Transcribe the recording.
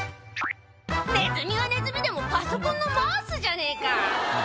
「ネズミはネズミでもパソコンのマウスじゃねえか！」